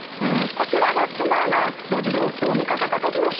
こちらが妻が路地で夫を見かけた時の証言。